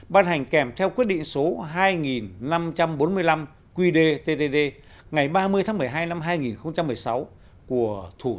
ban hành kèm theo quyết định số hai nghìn năm trăm bốn mươi năm qdtt ngày ba mươi tháng một mươi hai năm hai nghìn một mươi sáu của thủ tướng